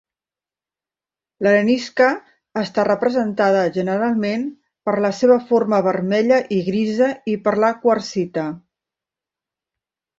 L'arenisca està representada generalment per la seva forma vermella i grisa i per la quarsita.